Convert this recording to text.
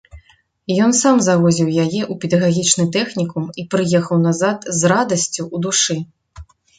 Ён сам завозіў яе ў педагагічны тэхнікум і прыехаў назад з радасцю ў душы.